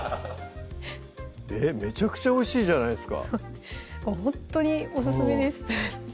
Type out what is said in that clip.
めちゃくちゃおいしいじゃないですかほんとにオススメです